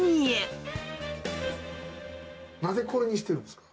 なぜ、これにしてるんですか？